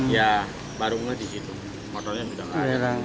ya baru ngeh di situ motornya sudah keadaan